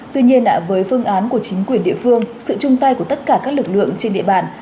tuy nhiên với phương án của chính quyền địa phương sự chung tay của tất cả các lực lượng trên địa bàn